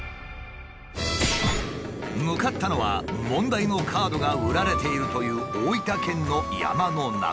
向かったのは問題のカードが売られているという大分県の山の中。